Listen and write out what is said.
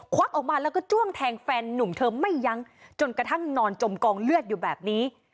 วักออกมาแล้วก็จ้วงแทงแฟนนุ่มเธอไม่ยั้งจนกระทั่งนอนจมกองเลือดอยู่แบบนี้